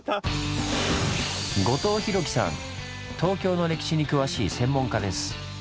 東京の歴史に詳しい専門家です。